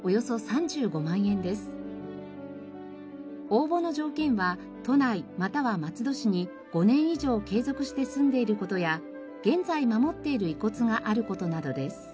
応募の条件は都内または松戸市に５年以上継続して住んでいる事や現在守っている遺骨がある事などです。